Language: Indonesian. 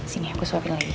sini aku suapin lagi